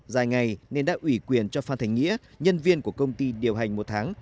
dài ngày nên đã ủy quyền cho phan thành nghĩa nhân viên của công ty điều hành một tháng